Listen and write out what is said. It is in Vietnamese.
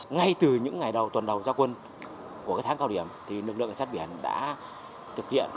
ngay từ những ngày đầu tuần đầu gia quân của tháng cao điểm thì lực lượng hành sát biển đã thực hiện